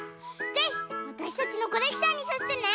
ぜひわたしたちのコレクションにさせてね。